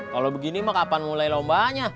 kalau begini mah kapan mulai lomba nya